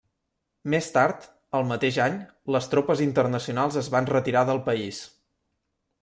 Més tard, al mateix any, les tropes internacionals es van retirar del país.